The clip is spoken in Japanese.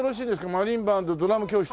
「マリンバ＆ドラム教室」。